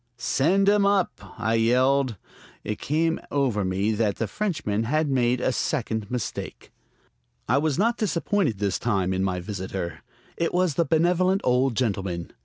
"Send him up!" I yelled. It came over me that the Frenchman had made a second mistake. I was not disappointed this time in my visitor. It was the benevolent old gentleman.